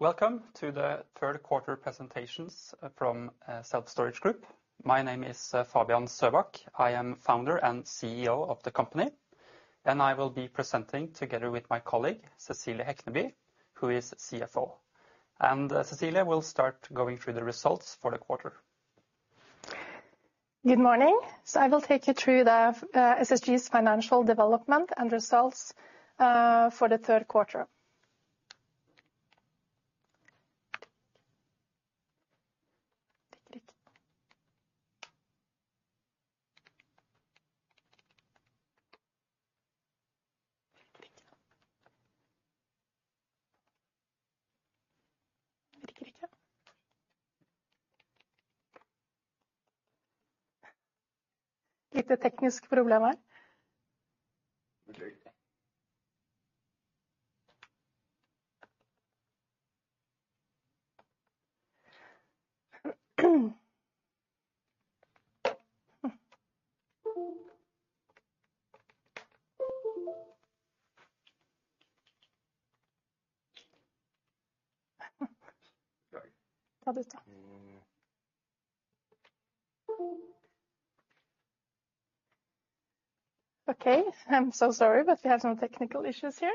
Welcome to the third quarter presentations from Self Storage Group. My name is Fabian Søbak. I am founder and CEO of the company, and I will be presenting together with my colleague, Cecilie Hekneby, who is CFO. Cecilie will start going through the results for the quarter. Good morning. I will take you through the SSG's financial development and results for the third quarter. Okay, I'm so sorry, but we have some technical issues here.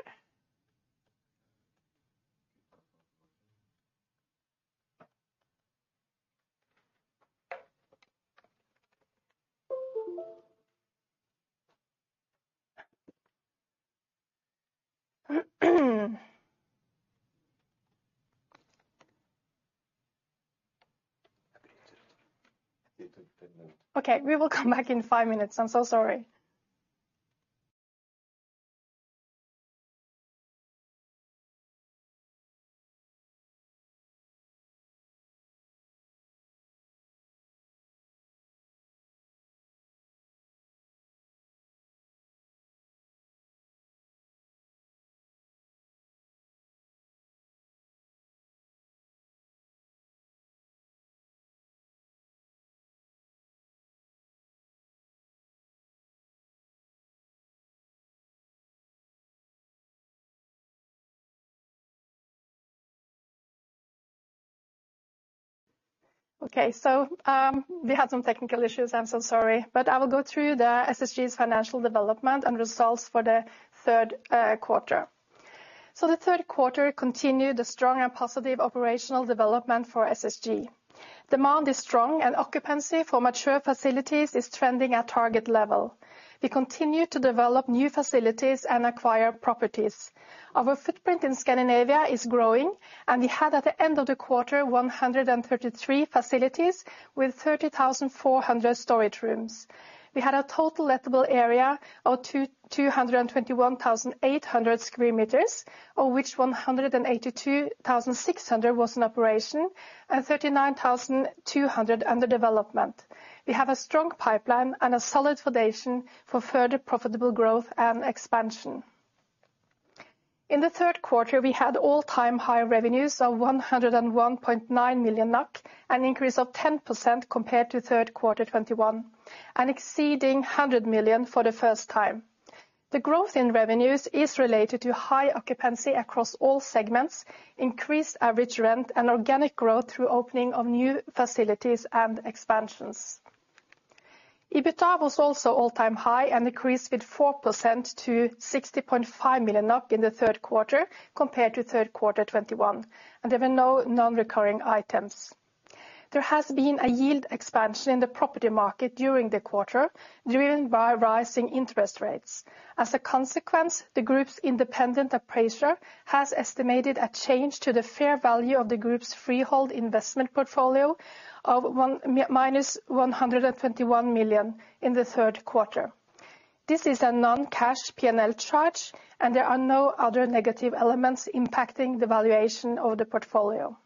Okay, we will come back in five minutes. I'm so sorry. Okay. We had some technical issues. I'm so sorry. I will go through the SSG's financial development and results for the third quarter. The third quarter continued the strong and positive operational development for SSG. Demand is strong, and occupancy for mature facilities is trending at target level. We continue to develop new facilities and acquire properties. Our footprint in Scandinavia is growing, and we had, at the end of the quarter, 133 facilities with 30,400 storage rooms. We had a total lettable area of 221,800 sq m, of which 182,600 sq m was in operation and 39,200 sq m under development. We have a strong pipeline and a solid foundation for further profitable growth and expansion. In the third quarter, we had all-time high revenues of 101.9 million NOK, an increase of 10% compared to third quarter 2021, and exceeding 100 million for the first time. The growth in revenues is related to high occupancy across all segments, increased average rent, and organic growth through opening of new facilities and expansions. EBITDA was also all-time high, and increased with 4% to 60.5 million NOK in the third quarter compared to third quarter 2021, and there were no non-recurring items. There has been a yield expansion in the property market during the quarter, driven by rising interest rates. As a consequence, the group's independent appraiser has estimated a change to the fair value of the group's freehold investment portfolio of minus 121 million in the third quarter. This is a non-cash P&L charge, and there are no other negative elements impacting the valuation of the portfolio.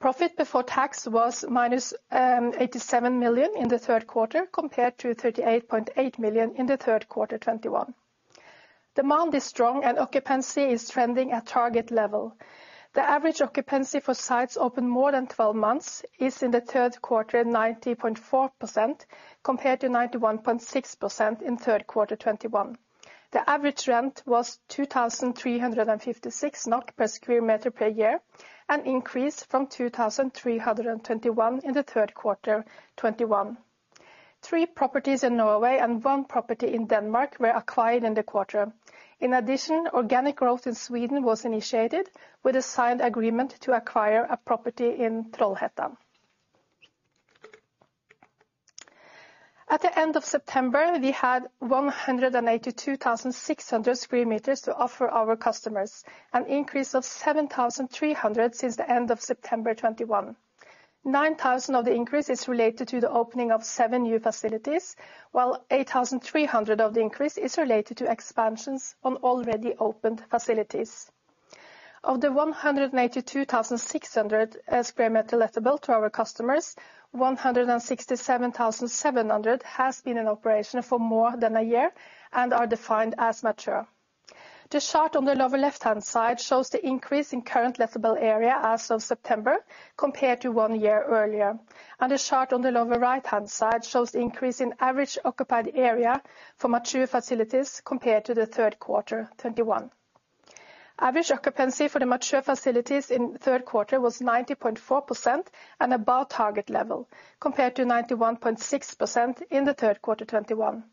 Profit before tax was minus 87 million in the third quarter, compared to 38.8 million in the third quarter 2021. Demand is strong, and occupancy is trending at target level. The average occupancy for sites open more than 12 months is, in the third quarter, 90.4% compared to 91.6% in third quarter 2021. The average rent was 2,356 NOK per square meter per year, an increase from 2,321 in the third quarter 2021. Three properties in Norway and one property in Denmark were acquired in the quarter. In addition, organic growth in Sweden was initiated with a signed agreement to acquire a property in Trollhättan. At the end of September, we had 182,600 sq m to offer our customers, an increase of 7,300 sq m since the end of September 2021. 9,000 sq m of the increase is related to the opening of seven new facilities, while 8,300 sq m of the increase is related to expansions on already opened facilities. Of the 182,600 sq m lettable to our customers, 167,700 sq m has been in operation for more than a year and are defined as mature. The chart on the lower left-hand side shows the increase in current lettable area as of September compared to one year earlier. The chart on the lower right-hand side shows the increase in average occupied area for mature facilities compared to the third quarter 2021. Average occupancy for the mature facilities in third quarter was 90.4% and above target level compared to 91.6% in the third quarter 2021.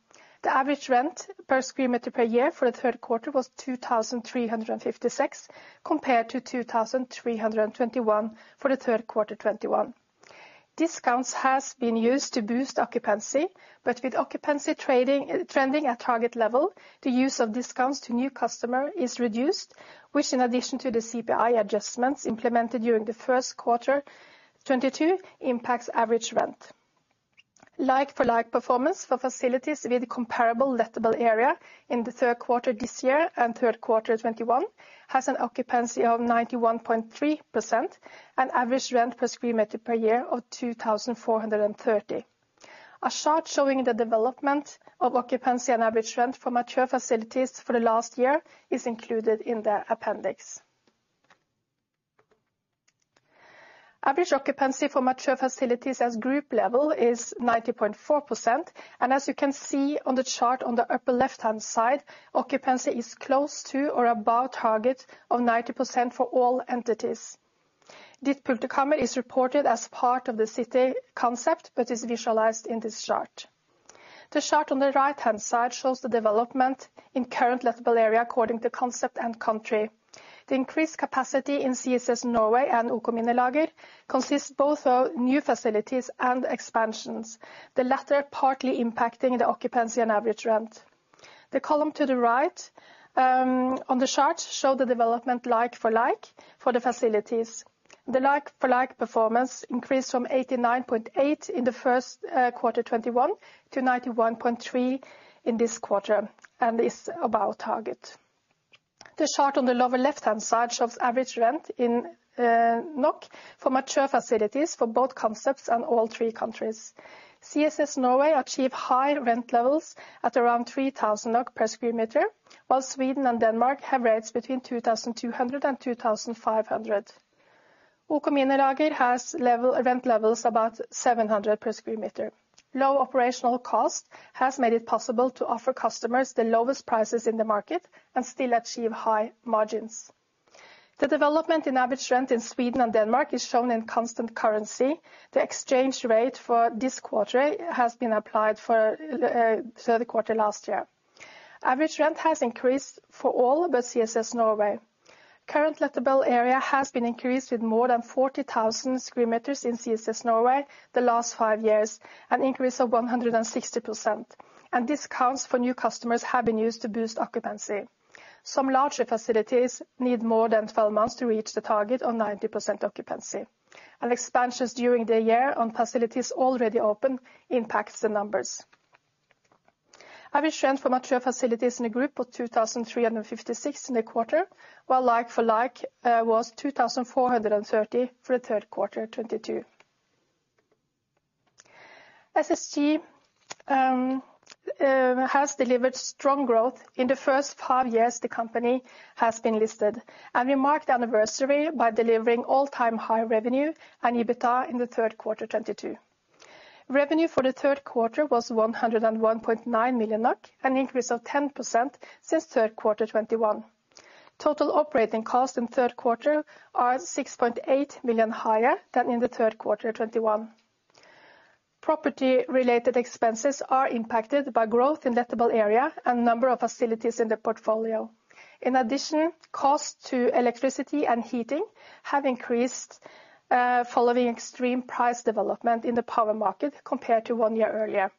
The average rent per square meter per year for the third quarter was 2,356 compared to 2,321 for the third quarter 2021. Discounts has been used to boost occupancy, but with occupancy trading, trending at target level, the use of discounts to new customer is reduced, which in addition to the CPI adjustments implemented during the first quarter 2022 impacts average rent. Like-for-like performance for facilities with comparable lettable area in the third quarter this year and third quarter 2021 has an occupancy of 91.3% and average rent per square meter per year of 2,430. A chart showing the development of occupancy and average rent for mature facilities for the last year is included in the appendix. Average occupancy for mature facilities as group level is 90.4%. As you can see on the chart on the upper left-hand side, occupancy is close to or above target of 90% for all entities. Dit Pulterkammer is reported as part of the city concept but is visualized in this chart. The chart on the right-hand side shows the development in current lettable area according to concept and country. The increased capacity in CSS Norway and OK Minilager consists both of new facilities and expansions, the latter partly impacting the occupancy and average rent. The column to the right, on the chart show the development like-for-like for the facilities. The like-for-like performance increased from 89.8% in the first quarter 2021 to 91.3% in this quarter and is above target. The chart on the lower left-hand side shows average rent in NOK for mature facilities for both concepts and all three countries. CSS Norway achieves high rent levels at around 3,000 per square meter, while Sweden and Denmark have rates between 2,200 and 2,500. OK Minilager has rent levels about 700 per square meter. Low operational cost has made it possible to offer customers the lowest prices in the market and still achieve high margins. The development in average rent in Sweden and Denmark is shown in constant currency. The exchange rate for this quarter has been applied for third quarter last year. Average rent has increased for all but CSS Norway. Current lettable area has been increased with more than 40,000 sq m in CSS Norway the last five years, an increase of 160%. Discounts for new customers have been used to boost occupancy. Some larger facilities need more than 12 months to reach the target of 90% occupancy. Expansions during the year on facilities already open impacts the numbers. Average rent for mature facilities in the group of 2,356 in the quarter, while like-for-like was 2,430 for the third quarter 2022. SSG has delivered strong growth in the first five years the company has been listed, and we mark the anniversary by delivering all-time high revenue and EBITDA in the third quarter 2022. Revenue for the third quarter was 101.9 million NOK, an increase of 10% since third quarter 2021. Total operating costs in third quarter are 6.8 million higher than in the third quarter 2021. Property-related expenses are impacted by growth in lettable area and number of facilities in the portfolio. In addition, costs to electricity and heating have increased following extreme price development in the power market compared to one year earlier.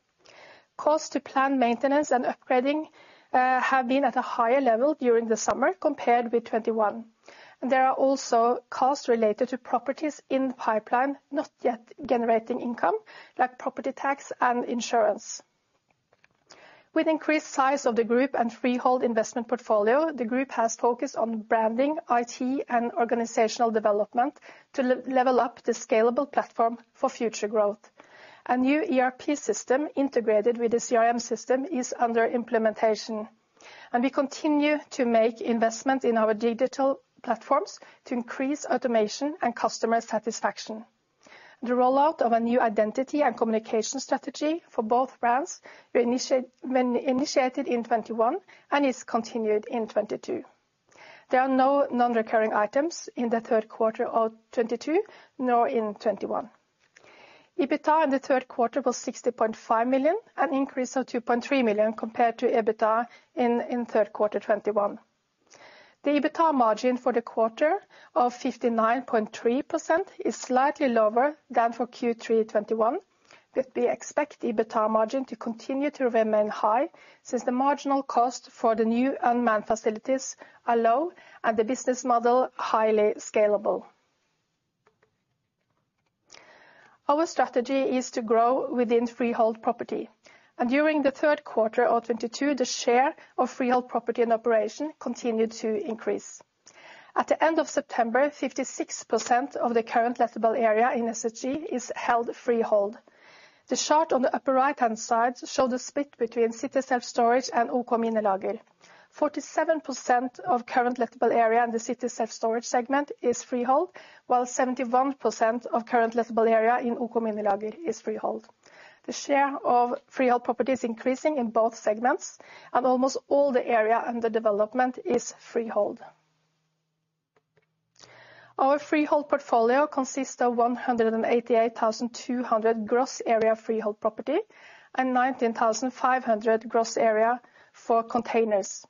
Costs to planned maintenance and upgrading have been at a higher level during the summer compared with 2021. There are also costs related to properties in the pipeline not yet generating income, like property tax and insurance. With increased size of the group and freehold investment portfolio, the group has focused on branding, IT, and organizational development to level up the scalable platform for future growth. A new ERP system integrated with the CRM system is under implementation. We continue to make investments in our digital platforms to increase automation and customer satisfaction. The rollout of a new identity and communication strategy for both brands was initiated in 2021 and is continued in 2022. There are no non-recurring items in the third quarter of 2022, nor in 2021. EBITDA in the third quarter was 60.5 million, an increase of 2.3 million compared to EBITDA in third quarter 2021. The EBITDA margin for the quarter of 59.3% is slightly lower than for Q3 2021. We expect EBITDA margin to continue to remain high since the marginal cost for the new unmanned facilities are low and the business model highly scalable. Our strategy is to grow within freehold property. During the third quarter of 2022, the share of freehold property in operation continued to increase. At the end of September, 56% of the current lettable area in SSG is held freehold. The chart on the upper right-hand side shows the split between City Self-Storage and OK Minilager. 47% of current lettable area in the City Self-Storage segment is freehold, while 71% of current lettable area in OK Minilager is freehold. The share of freehold property is increasing in both segments, and almost all the area under development is freehold. Our freehold portfolio consists of 188,200 sq m gross area freehold property, and 19,500 sq m gross area for containers.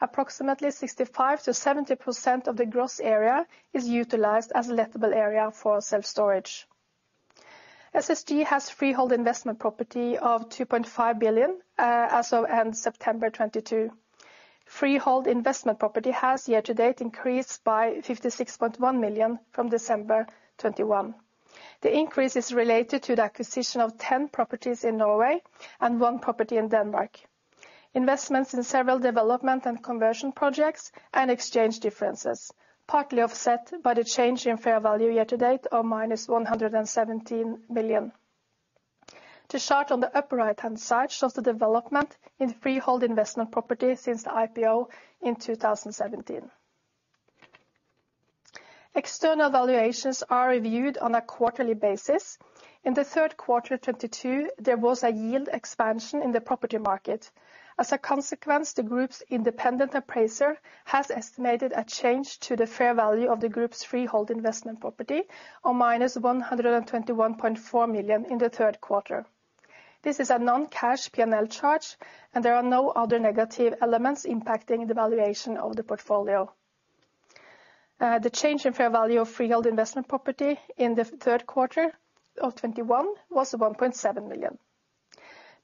Approximately 65%-70% of the gross area is utilized as lettable area for self-storage. SSG has freehold investment property of 2.5 billion as of end September 2022. Freehold investment property has year to date increased by 56.1 million from December 2021. The increase is related to the acquisition of 10 properties in Norway, and one property in Denmark. Investments in several development and conversion projects, and exchange differences, partly offset by the change in fair value year to date of minus 117 million. The chart on the upper right-hand side shows the development in freehold investment properties since the IPO in 2017. External valuations are reviewed on a quarterly basis. In the third quarter 2022, there was a yield expansion in the property market. As a consequence, the group's independent appraiser has estimated a change to the fair value of the group's freehold investment property of minus 121.4 million in the third quarter. This is a non-cash P&L charge, and there are no other negative elements impacting the valuation of the portfolio. The change in fair value of freehold investment property in the third quarter of 2021 was 1.7 million.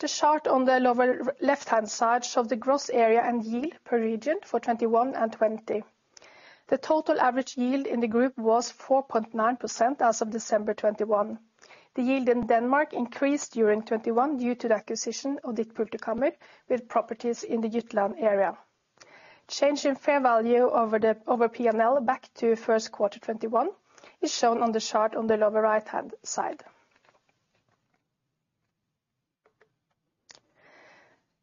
The chart on the lower left-hand side shows the gross area and yield per region for 2021 and 2020. The total average yield in the group was 4.9% as of December 2021. The yield in Denmark increased during 2021 due to the acquisition of Dit Pulterkammer with properties in the Jutland area. Change in fair value over P&L back to first quarter 2021 is shown on the chart on the lower right-hand side.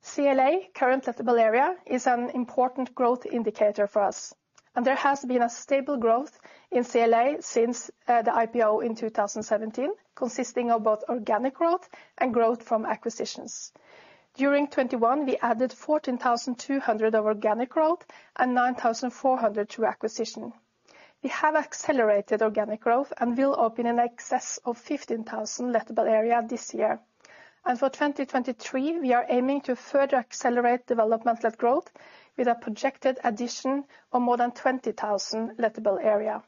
CLA, Current Lettable Area is an important growth indicator for us. There has been a stable growth in CLA since the IPO in 2017 consisting of both organic growth and growth from acquisitions. During 2021 we added 14,200 sq m of organic growth and 9,400 sq m to acquisition. We have accelerated organic growth and will open in excess of 15,000 sq m lettable area this year. And for 2023, we are aiming to further accelerate development of growth with a projected addition of more than 20,000 sq m lettable area.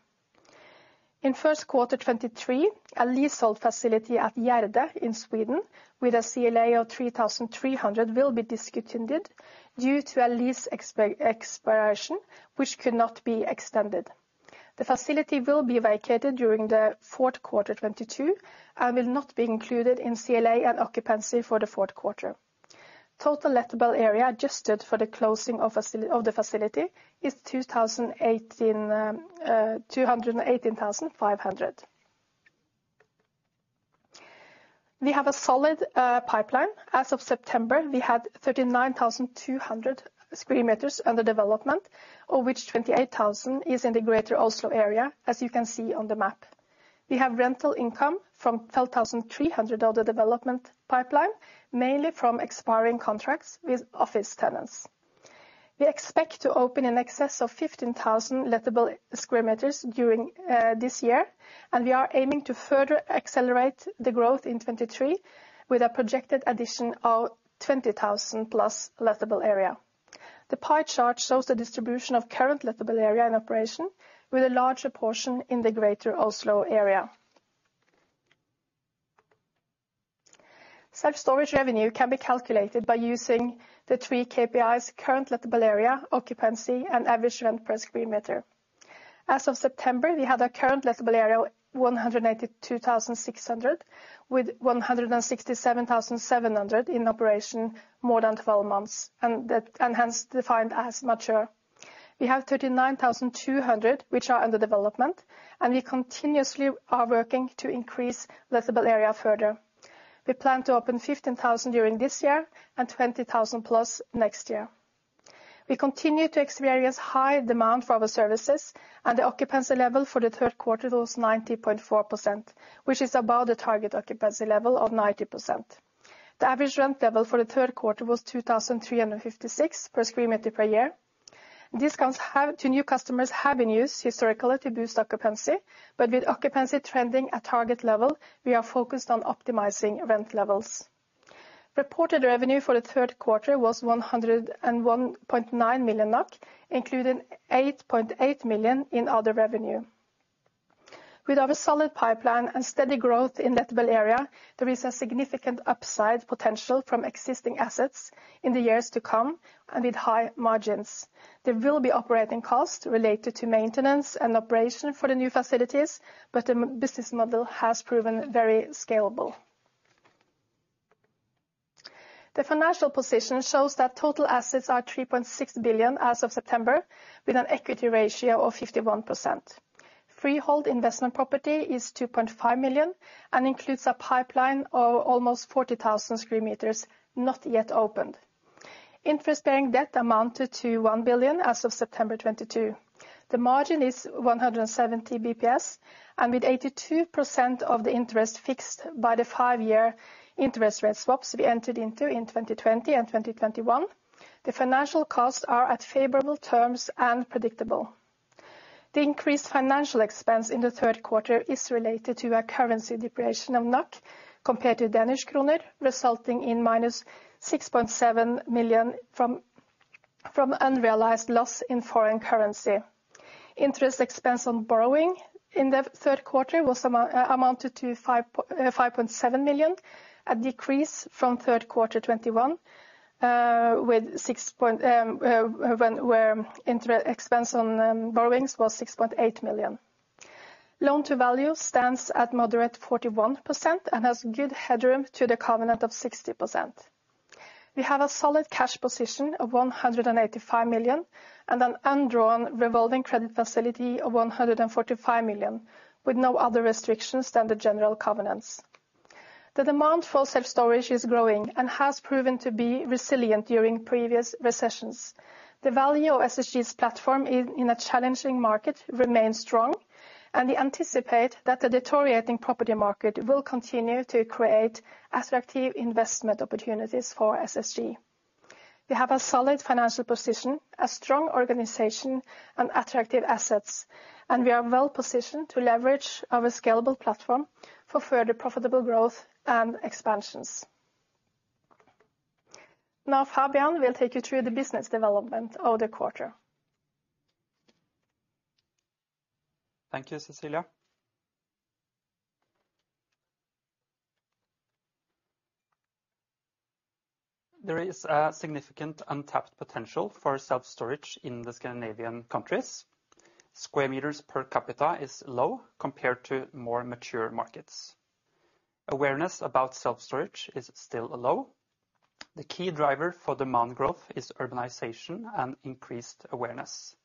In first quarter 2023, a leasehold facility at Gärdet in Sweden with a CLA of 3,300 sq m will be discontinued due to a lease expiration which could not be extended. The facility will be vacated during the fourth quarter 2022, and will not be included in CLA and occupancy for the fourth quarter. Total lettable area adjusted for the closing of the facility is 218,500 sq m. We have a solid pipeline. As of September, we had 39,200 sq m under development, of which 28,000 sq m is in the greater Oslo area, as you can see on the map. We have rental income from 12,300 sq m other development pipeline, mainly from expiring contracts with office tenants. We expect to open in excess of 15,000 sq m lettable during this year, and we are aiming to further accelerate the growth in 2023 with a projected addition of 20,000+ sq m lettable area. The pie chart shows the distribution of current lettable area in operation with a larger portion in the greater Oslo area. Self-storage revenue can be calculated by using the three KPIs, current lettable area, occupancy, and average rent per square meter. As of September, we have a current lettable area of 182,600 sq m, with 167,700 sq m in operation more than twelve months, and hence defined as mature. We have 39,200 sq m, which are under development, and we continuously are working to increase lettable area further. We plan to open 15,000 sq m during this year, and 20,000+ sq m next year. We continue to experience high demand for our services, and the occupancy level for the third quarter was 90.4%, which is above the target occupancy level of 90%. The average rent level for the third quarter was 2,356 per square meter per year. Discounts to new customers have been used historically to boost occupancy, but with occupancy trending at target level, we are focused on optimizing rent levels. Reported revenue for the third quarter was 101.9 million, including 8.8 million in other revenue. With our solid pipeline and steady growth in lettable area, there is a significant upside potential from existing assets in the years to come, and with high margins. There will be operating costs related to maintenance and operation for the new facilities, but the business model has proven very scalable. The financial position shows that total assets are 3.6 billion as of September, with an equity ratio of 51%. Freehold investment property is 2.5 million, and includes a pipeline of almost 40,000 sq m not yet opened. Interest-bearing debt amounted to 1 billion as of September 2022. The margin is 170 basis points, and with 82% of the interest fixed by the five-year interest rate swaps we entered into in 2020 and 2021, the financial costs are at favorable terms and predictable. The increased financial expense in the third quarter is related to a currency depreciation of NOK compared to Danish kroner, resulting in minus 6.7 million from unrealized loss in foreign currency. Interest expense on borrowing in the third quarter amounted to 5.7 million, a decrease from third quarter 2021, where interest expense on borrowings was 6.8 million. Loan to value stands at moderate 41% and has good headroom to the covenant of 60%. We have a solid cash position of 185 million and an undrawn revolving credit facility of 145 million, with no other restrictions than the general covenants. The demand for self-storage is growing and has proven to be resilient during previous recessions. The value of SSG's platform in a challenging market remains strong, and we anticipate that the deteriorating property market will continue to create attractive investment opportunities for SSG. We have a solid financial position, a strong organization, and attractive assets, and we are well positioned to leverage our scalable platform for further profitable growth and expansions. Now Fabian will take you through the business development of the quarter. Thank you, Cecilie. There is a significant untapped potential for self-storage in the Scandinavian countries. Square meters per capita is low compared to more mature markets. Awareness about self-storage is still low. The key driver for demand growth is urbanization and increased awareness.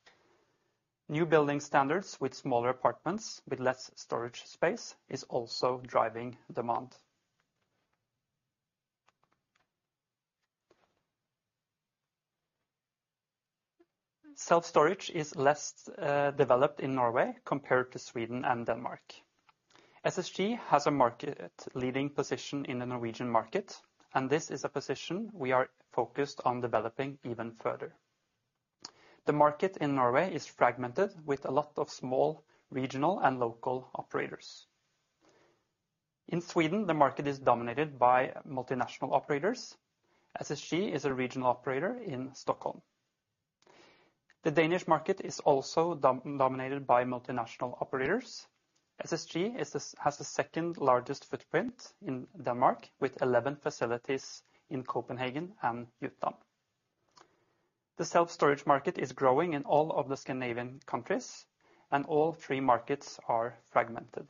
New building standards with smaller apartments with less storage space is also driving demand. Self-storage is less developed in Norway compared to Sweden and Denmark. SSG has a market-leading position in the Norwegian market, and this is a position we are focused on developing even further. The market in Norway is fragmented with a lot of small regional and local operators. In Sweden, the market is dominated by multinational operators. SSG is a regional operator in Stockholm. The Danish market is also dominated by multinational operators. SSG has the second largest footprint in Denmark with 11 facilities in Copenhagen and Jutland. The self-storage market is growing in all of the Scandinavian countries, and all three markets are fragmented.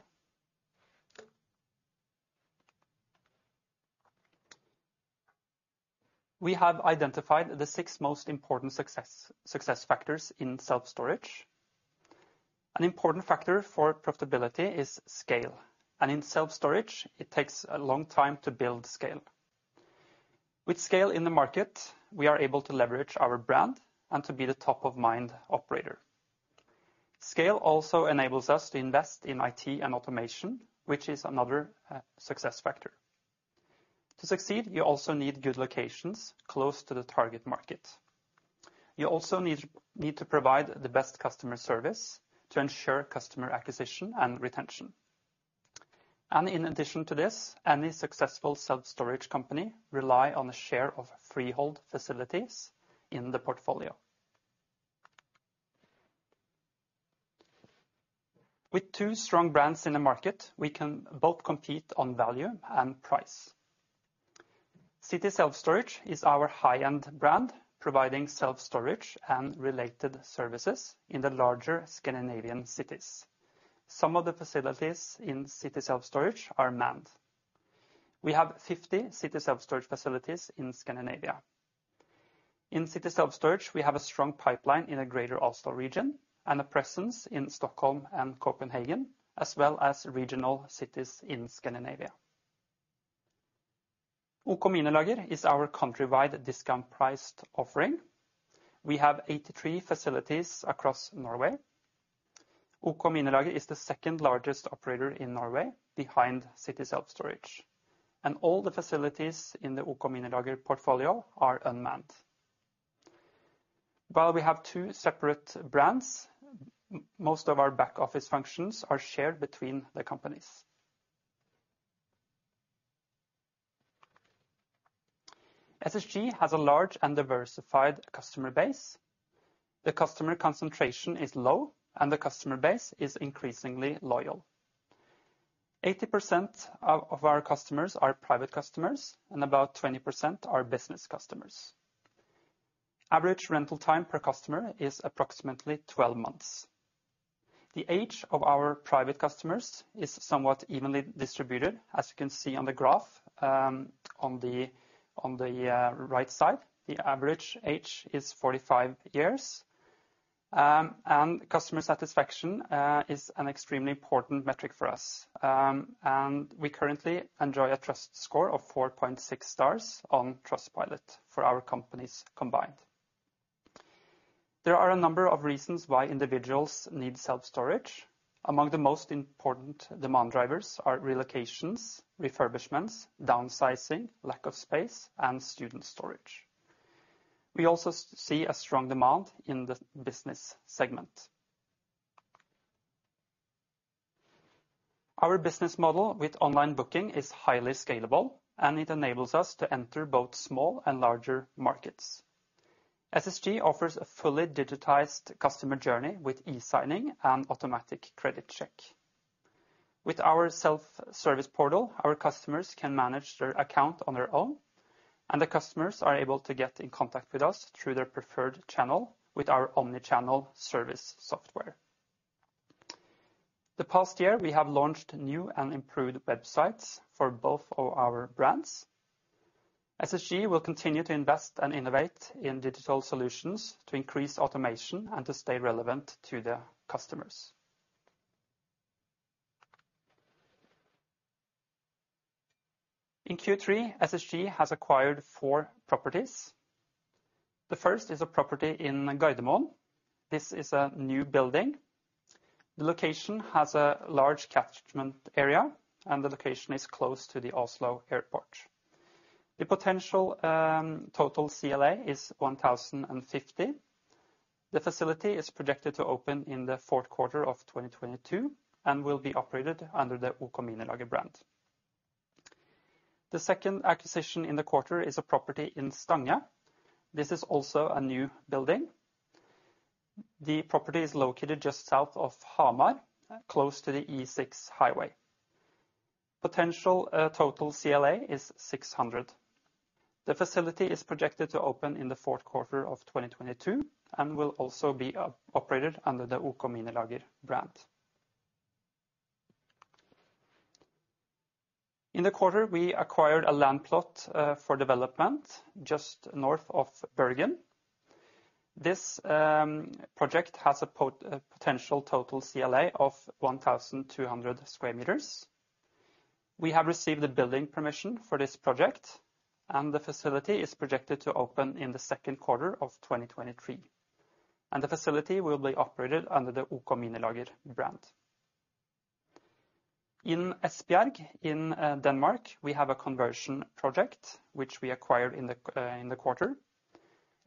We have identified the six most important success factors in self-storage. An important factor for profitability is scale, and in self-storage, it takes a long time to build scale. With scale in the market, we are able to leverage our brand and to be the top of mind operator. Scale also enables us to invest in IT and automation, which is another success factor. To succeed, you also need good locations close to the target market. You also need to provide the best customer service to ensure customer acquisition and retention. In addition to this, any successful self-storage company rely on a share of freehold facilities in the portfolio. With two strong brands in the market, we can both compete on value and price. City Self-Storage is our high-end brand, providing self-storage and related services in the larger Scandinavian cities. Some of the facilities in City Self-Storage are manned. We have 50 City Self-Storage facilities in Scandinavia. In City Self-Storage, we have a strong pipeline in the greater Oslo region and a presence in Stockholm and Copenhagen, as well as regional cities in Scandinavia. OK Minilager is our countrywide discount priced offering. We have 83 facilities across Norway. OK Minilager is the second largest operator in Norway behind City Self-Storage, and all the facilities in the OK Minilager portfolio are unmanned. While we have two separate brands, most of our back office functions are shared between the companies. SSG has a large and diversified customer base. The customer concentration is low, and the customer base is increasingly loyal. 80% of our customers are private customers, and about 20% are business customers. Average rental time per customer is approximately 12 months. The age of our private customers is somewhat evenly distributed, as you can see on the graph, on the right side. The average age is 45 years. Customer satisfaction is an extremely important metric for us. We currently enjoy a trust score of 4.6 stars on Trustpilot for our companies combined. There are a number of reasons why individuals need self-storage. Among the most important demand drivers are relocations, refurbishments, downsizing, lack of space, and student storage. We also see a strong demand in the business segment. Our business model with online booking is highly scalable, and it enables us to enter both small and larger markets. SSG offers a fully digitized customer journey with e-signing and automatic credit check. With our self-service portal, our customers can manage their account on their own, and the customers are able to get in contact with us through their preferred channel with our omni-channel service software. The past year, we have launched new and improved websites for both of our brands. SSG will continue to invest and innovate in digital solutions to increase automation and to stay relevant to the customers. In Q3, SSG has acquired four properties. The first is a property in Gardermoen. This is a new building. The location has a large catchment area, and the location is close to the Oslo Airport. The potential, total CLA is 1,050 sq m. The facility is projected to open in the fourth quarter of 2022 and will be operated under the OK Minilager brand. The second acquisition in the quarter is a property in Stange. This is also a new building. The property is located just south of Hamar, close to the E6 highway. Potential total CLA is 600 sq m. The facility is projected to open in the fourth quarter of 2022 and will also be operated under the OK Minilager brand. In the quarter, we acquired a land plot for development just north of Bergen. This project has a potential total CLA of 1,200 sq m. We have received the building permission for this project, and the facility is projected to open in the second quarter of 2023. The facility will be operated under the OK Minilager brand. In Esbjerg, in Denmark, we have a conversion project which we acquired in the quarter.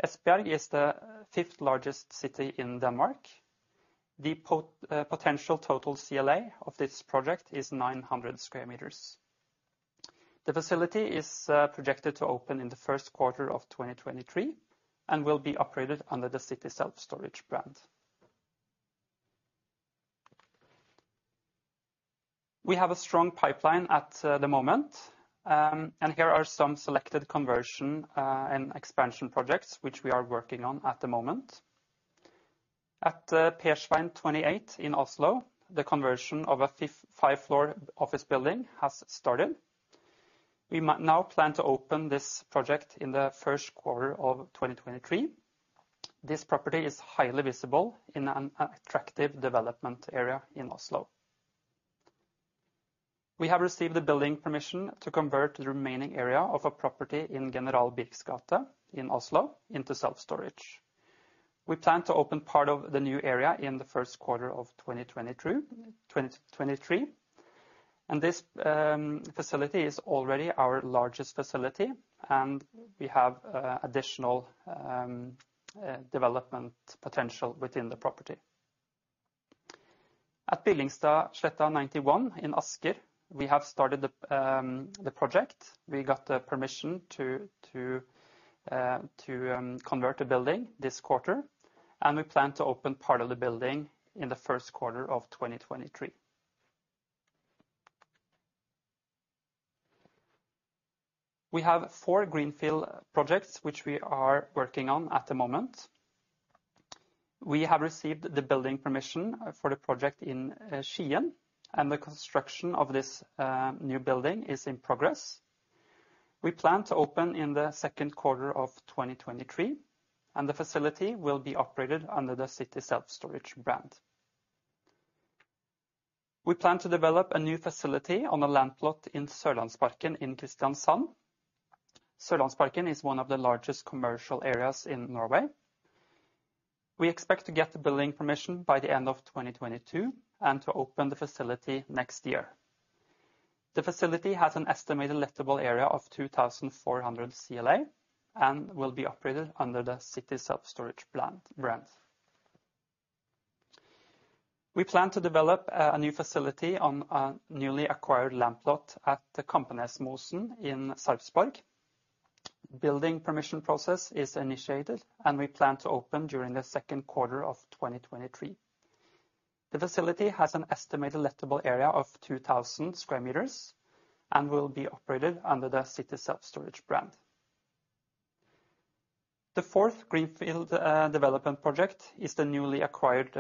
Esbjerg is the fifth largest city in Denmark. The potential total CLA of this project is 900 sq m. The facility is projected to open in the first quarter of 2023 and will be operated under the City Self-Storage brand. We have a strong pipeline at the moment. Here are some selected conversion and expansion projects which we are working on at the moment. At Persveien 28 in Oslo, the conversion of a five-floor office building has started. We now plan to open this project in the first quarter of 2023. This property is highly visible in an attractive development area in Oslo. We have received the building permission to convert the remaining area of a property in General Birchs gate in Oslo into self-storage. We plan to open part of the new area in the first quarter of 2023. This facility is already our largest facility, and we have additional development potential within the property. At Billingstadsletta 91 in Asker, we have started the project. We got the permission to convert the building this quarter, and we plan to open part of the building in the first quarter of 2023. We have four greenfield projects which we are working on at the moment. We have received the building permission for the project in Skien, and the construction of this new building is in progress. We plan to open in the second quarter of 2023, and the facility will be operated under the City Self-Storage brand. We plan to develop a new facility on a land plot in Sørlandsparken in Kristiansand. Sørlandsparken is one of the largest commercial areas in Norway. We expect to get the building permission by the end of 2022 and to open the facility next year. The facility has an estimated lettable area of 2,400 sq m CLA and will be operated under the City Self-Storage brand. We plan to develop a new facility on a newly acquired land plot at Smølsen in Sarpsborg. Building permission process is initiated, and we plan to open during the second quarter of 2023. The facility has an estimated lettable area of 2,000 sq m and will be operated under the City Self-Storage brand. The fourth greenfield development project is the newly acquired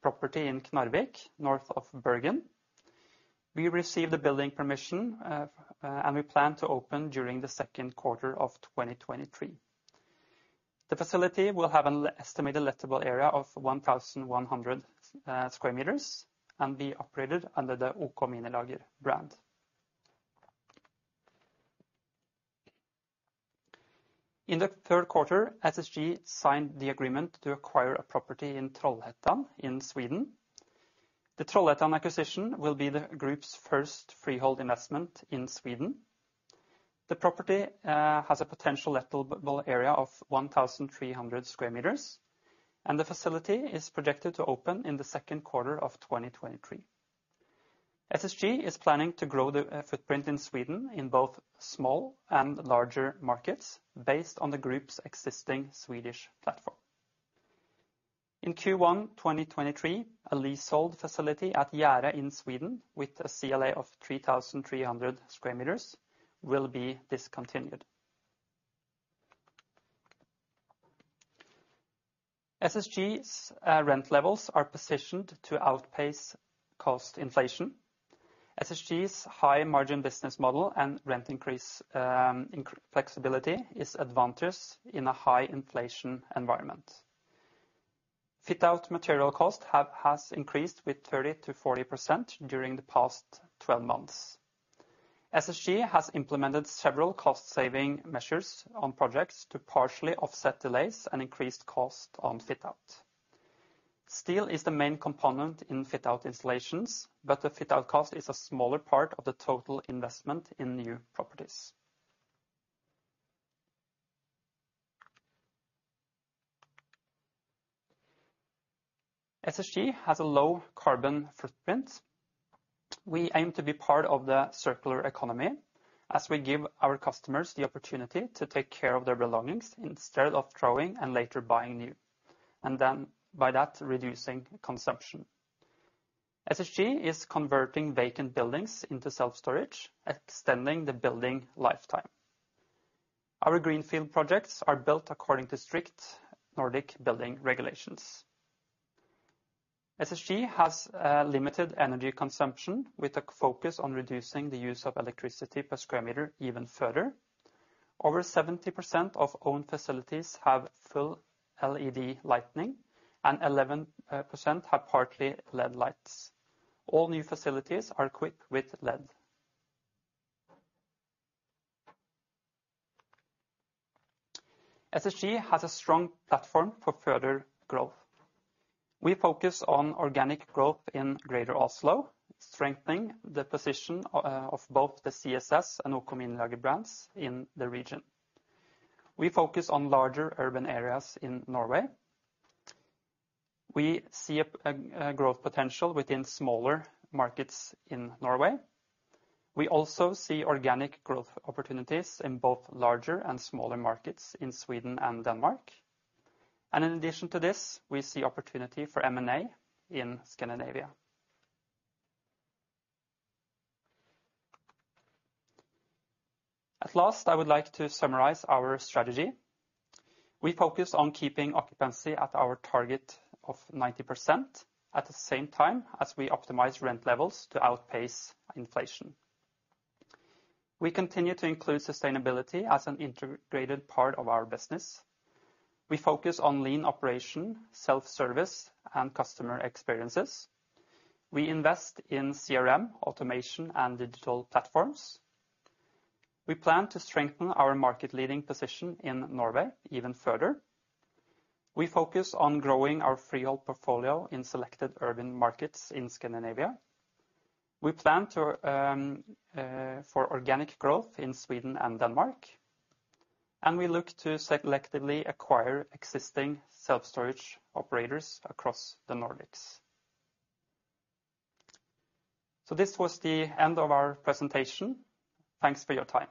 property in Knarvik, north of Bergen. We received the building permission, and we plan to open during the second quarter of 2023. The facility will have an estimated lettable area of 1,100 sq m and be operated under the OK Minilager brand. In the third quarter, SSG signed the agreement to acquire a property in Trollhättan in Sweden. The Trollhättan acquisition will be the group's first freehold investment in Sweden. The property has a Potential Lettable Area of 1,300 sq m, and the facility is projected to open in the second quarter of 2023. SSG is planning to grow the footprint in Sweden in both small and larger markets based on the group's existing Swedish platform. In Q1 2023, a leasehold facility at Järfälla in Sweden with a CLA of 3,300 sq m will be discontinued. SSG's rent levels are positioned to outpace cost inflation. SSG's high margin business model and rent increase, income flexibility is advantageous in a high inflation environment. Fit-out material cost has increased with 30%-40% during the past 12 months. SSG has implemented several cost saving measures on projects to partially offset delays and increased cost on fit-out. Steel is the main component in fit-out installations, but the fit-out cost is a smaller part of the total investment in new properties. SSG has a low carbon footprint. We aim to be part of the circular economy as we give our customers the opportunity to take care of their belongings instead of throwing and later buying new, and then by that, reducing consumption. SSG is converting vacant buildings into self-storage, extending the building lifetime. Our greenfield projects are built according to strict Nordic building regulations. SSG has limited energy consumption with a focus on reducing the use of electricity per square meter even further. Over 70% of owned facilities have full LED lighting and 11% have partly LED lights. All new facilities are equipped with LED. SSG has a strong platform for further growth. We focus on organic growth in Greater Oslo, strengthening the position of both the CSS and OK Minilager brands in the region. We focus on larger urban areas in Norway. We see a growth potential within smaller markets in Norway. We also see organic growth opportunities in both larger and smaller markets in Sweden and Denmark. In addition to this, we see opportunity for M&A in Scandinavia. Lastly, I would like to summarize our strategy. We focus on keeping occupancy at our target of 90%, at the same time as we optimize rent levels to outpace inflation. We continue to include sustainability as an integrated part of our business. We focus on lean operation, self-service, and customer experiences. We invest in CRM, automation, and digital platforms. We plan to strengthen our market-leading position in Norway even further. We focus on growing our freehold portfolio in selected urban markets in Scandinavia. We plan to for organic growth in Sweden and Denmark, and we look to selectively acquire existing self-storage operators across the Nordics. This was the end of our presentation. Thanks for your time.